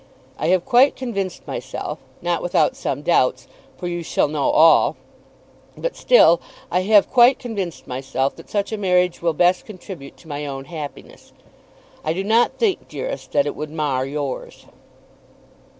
I have quite convinced myself, not without some doubts, for you shall know all; but, still, I have quite convinced myself, that such a marriage will best contribute to my own happiness. I do not think, dearest, that it would mar yours."